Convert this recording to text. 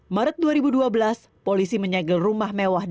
maret dua ribu dua belas polisi menyegelkan